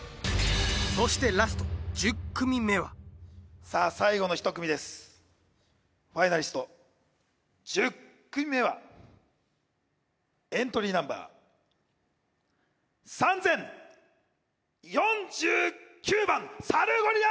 そしてラスト１０組目はさあ最後の１組ですファイナリスト１０組目はエントリーナンバー３０４９番サルゴリラ！